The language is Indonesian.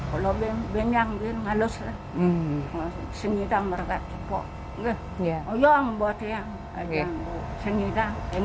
kalau bingung bingung halusnya senyidang mereka cukup ya oh ya buat yang aja senyidang yang